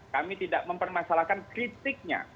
kami tidak mempermasalahkan kritiknya